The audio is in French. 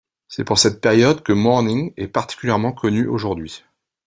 C'est pour cette période que Mourning est particulièrement connu aujourd'hui.